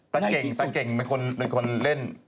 แต่เก่งเป็นคนเล่น